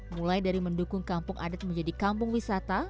mulai dari mendukung kampung adat menjadi kampung wisata